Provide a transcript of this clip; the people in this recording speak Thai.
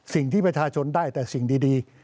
สิ่งที่ประชาชนได้แต่สิ่งดี